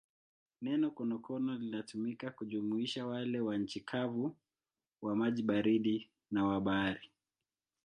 Neno konokono linatumika kujumuisha wale wa nchi kavu, wa maji baridi na wa bahari.